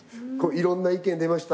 いろんな意見出ました。